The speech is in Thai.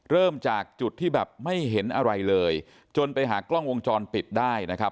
เริ่มจากจุดที่แบบไม่เห็นอะไรเลยจนไปหากล้องวงจรปิดได้นะครับ